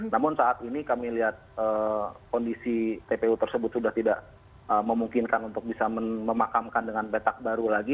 namun saat ini kami lihat kondisi tpu tersebut sudah tidak memungkinkan untuk bisa memakamkan dengan petak baru lagi